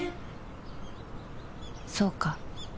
そうか